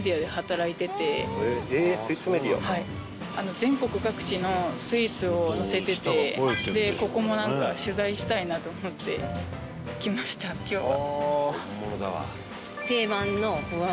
全国各地のスイーツを載せててここも、なんか取材したいなと思って来ました今日は。